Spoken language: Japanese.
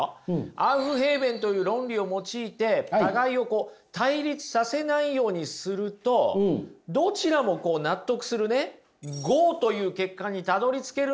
アウフへーベンという論理を用いて互いを対立させないようにするとどちらも納得するね合という結果にたどりつけるんですよ。